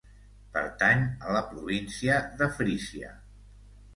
Pertany a la província de Frísia.